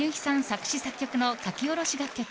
作詞・作曲の書き下ろし楽曲